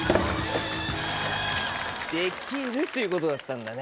「できる」ということだったんだね。